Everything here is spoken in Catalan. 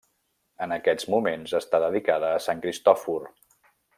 En aquests moments està dedicada a Sant Cristòfor.